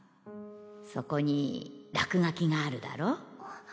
そこに落書きがあるだろあ